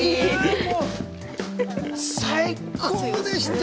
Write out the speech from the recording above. もう最高でした！